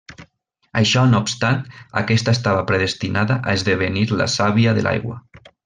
Això no obstant, aquesta estava predestinada a esdevenir la Sàvia de l'Aigua.